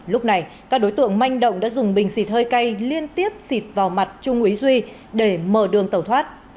lúc này các đối tượng manh động đã dùng bình xịt hơi cay liên tiếp xịt vào mặt trung úy duy để mở đường tàu thoát